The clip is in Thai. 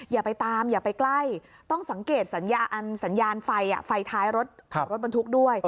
อย่าไปตามอย่าไปใกล้ต้องสังเกตสัญญาณสัญญาณไฟไฟท้ายรถของรถบรรทุกด้วย